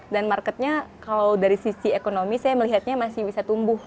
dan marketnya kalau dari sisi ekonomi saya melihatnya masih bisa tumbuh